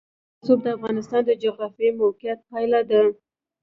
رسوب د افغانستان د جغرافیایي موقیعت پایله ده.